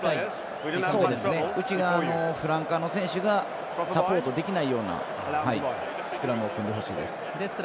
内側のフランカーの選手がサポートできないようなスクラムを組んでほしいです。